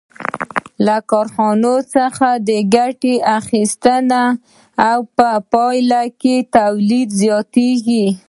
له کارخانو څخه د ګټې اخیستنې په پایله کې تولیدات زیاتېږي